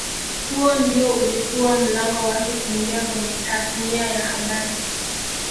Huo ndio ulikuwa mlango wake kuingia kwenye tasnia ya habari